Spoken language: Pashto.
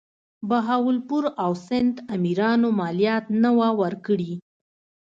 بهاولپور او سند امیرانو مالیات نه وه ورکړي.